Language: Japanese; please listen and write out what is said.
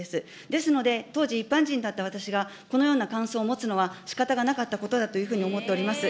ですので、当時、一般人だった私が、このような感想を持つのはしかたがなかったことだというふうに思っております。